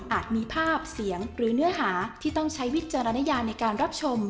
มีภาพเสียงหรือเนื้อหาที่ต้องใช้วิจารณญาในการรับชม